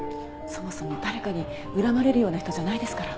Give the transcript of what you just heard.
そもそも誰かに恨まれるような人じゃないですから川井先生は。